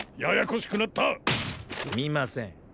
すみません。